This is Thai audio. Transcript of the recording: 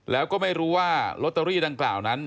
แล้วก็ไม่รู้ว่าลอตเตอรี่ดังกล่าวนั้น